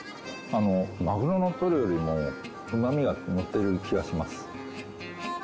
あのマグロのトロよりもうまみがのってる気がします。